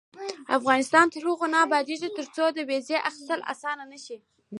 افغانستان تر هغو نه ابادیږي، ترڅو د ویزې اخیستل اسانه نشي.